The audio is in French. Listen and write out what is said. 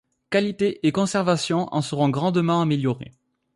Qualité et conservation en seront grandement améliorées.